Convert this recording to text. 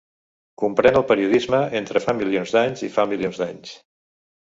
Comprèn el període entre fa milions d'anys i fa milions d'anys.